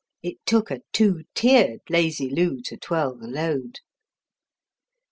It took a two tiered Lazy Lou to twirl the load.